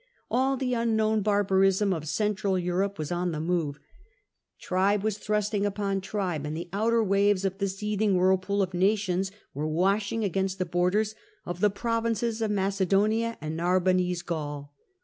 All the unknown barbarism of Central Europe was on the move ; tribe was thrusting against tribe, and the outer waves of the seething whirlpool of nations were washing against the borders of the provinces of Macedonia and Narbonese Gaul.